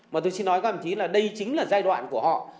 mà tôi xin nói cầm chỉ là đây chính là giai đoạn của họ